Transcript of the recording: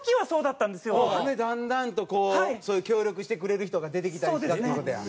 だんだんとこうそういう協力してくれる人が出てきたりしたっていう事や。